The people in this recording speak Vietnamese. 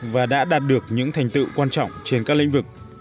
và đã đạt được những thành tựu quan trọng trên các lĩnh vực